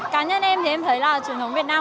cá nhân em thì em thấy là truyền thống việt nam